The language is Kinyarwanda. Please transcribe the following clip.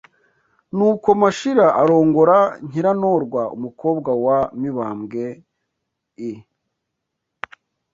Nuko Mashira arongora Nyirantorwa umukobwa wa Mibambwe I